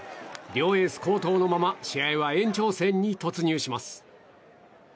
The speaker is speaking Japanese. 両エース好投のまま試合は延長戦に突入します。